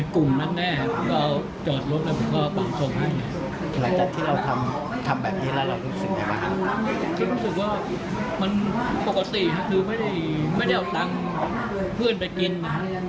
กินไม่อิ่ม